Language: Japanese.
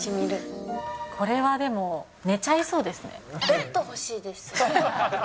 これは、でも、寝ちゃいそうベッド欲しいです。